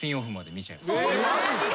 マジっすか？